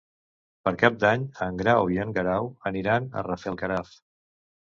Per Cap d'Any en Grau i en Guerau aniran a Rafelguaraf.